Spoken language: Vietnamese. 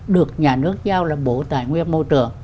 được nhà nước giao là bộ tài nguyên môi trường